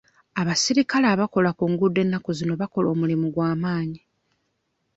Abasirikale abakola ku nguudo ennaku zino bakola omulimu gwa maanyi.